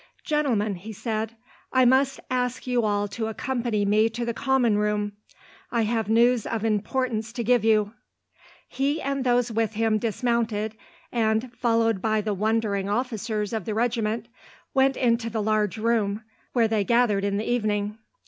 "Gentlemen," he said, "I must ask you all to accompany me to the common room. I have news of importance to give you." He and those with him dismounted, and, followed by the wondering officers of the regiment, went into the large room where they gathered in the evening.